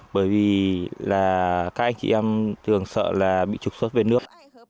bởi vì là các anh chị em thường sợ là bị trục xuất về nước